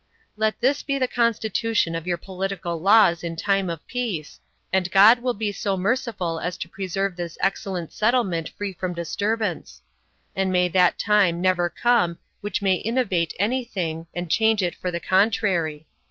32 41. Let this be the constitution of your political laws in time of peace, and God will be so merciful as to preserve this excellent settlement free from disturbance: and may that time never come which may innovate any thing, and change it for the contrary.